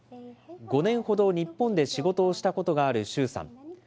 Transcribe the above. ５年ほど日本で仕事をしたことがある周さん。